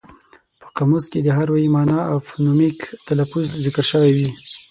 په قاموس کې د هر ویي مانا او فونیمک تلفظ ذکر شوی وي.